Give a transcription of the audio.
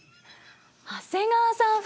長谷川さん風。